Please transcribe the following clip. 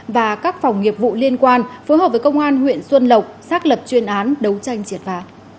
và các phòng nghiệp vụ liên quan phối hợp với công an huyện xuân lộc xác lập chuyên án đấu tranh triệt phá